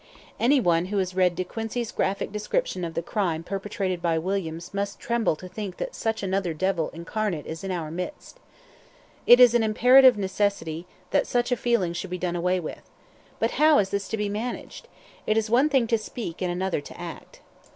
Anyone who has read De Quincy's graphic description of the crime perpetrated by Williams must tremble to think that such another devil incarnate is in our midst. It is an imperative necessity that such a feeling should be done away with. But how is this to be managed? It is one thing to speak, and another to act.